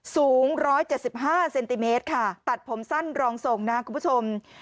สูงร้อยเจ็ดสิบห้าเซนติเมตรค่ะตัดผมสั้นรองส่งนะคุณผู้ชม